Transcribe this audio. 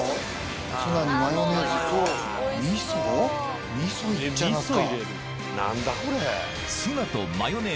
ツナにマヨネーズと。